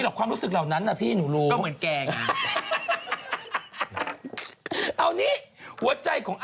อยากไปปั่นน้อง